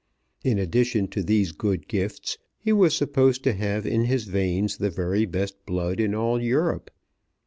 In addition to these good gifts, he was supposed to have in his veins the very best blood in all Europe.